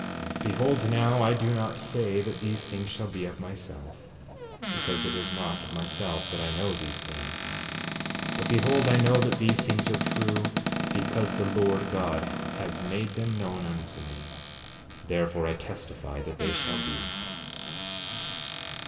7:29 Behold now, I do not say that these things shall be, of myself, because it is not of myself that I know these things; but behold, I know that these things are true because the Lord God has made them known unto me, therefore I testify that they shall be.